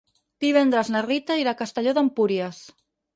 Divendres na Rita irà a Castelló d'Empúries.